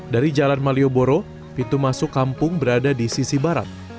dari jalan malioboro pintu masuk kampung berada di sisi barat